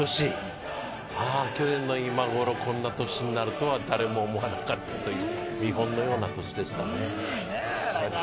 去年の今頃、こんな年になるとは誰も思わなかったという見本のような年でした。